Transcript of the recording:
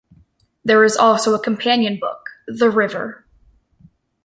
There is also a companion book, "The River".